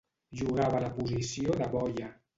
Jugava a la posició de boia.